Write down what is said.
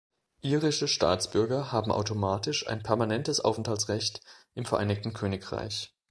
Irische Staatsbürger haben automatisch ein permanentes Aufenthaltsrecht im Vereinigten Königreich.